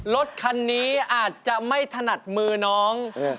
รถคันนี้อาจจะไม่ถนัดมือน้อง